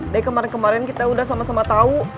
dari kemarin kemarin kita udah sama sama tahu